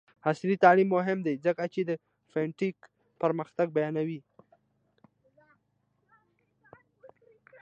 عصري تعلیم مهم دی ځکه چې د فین ټیک پرمختګ بیانوي.